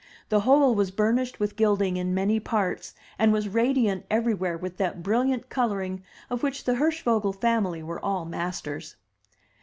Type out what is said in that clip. The whole was burnished 288 THE TREASURE CHEST with gilding in many parts, and was radiant everywhere with that brilliant coloring of which the Hirschvogel family were all masters.